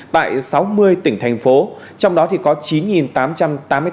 tại sáu mươi tỉnh thành phố trong đó có chín tám trăm linh ca mắc covid một mươi chín